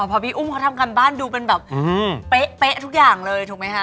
พอพี่อุ้มเขาทำการบ้านดูเป็นแบบเป๊ะทุกอย่างเลยถูกไหมคะ